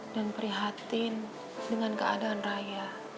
dan prihatin dengan keadaan raya